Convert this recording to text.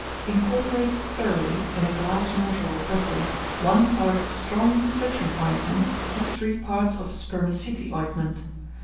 Incorporate thoroughly, in a glass mortar or vessel, one part of strong citron ointment with three parts of spermaceti ointment.